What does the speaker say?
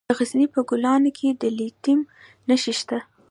د غزني په ګیلان کې د لیتیم نښې شته.